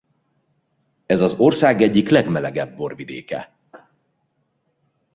Ez az ország egyik legmelegebb borvidéke.